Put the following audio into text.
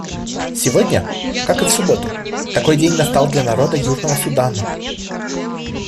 Сегодня, как и в субботу, такой день настал для народа Южного Судана.